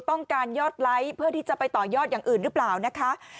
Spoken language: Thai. ต้องการยอดไลค์เพื่อที่จะไปต่อยอดอย่างอื่นหรือเปล่านะคะ